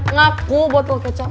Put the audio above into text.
ngaku botol kecap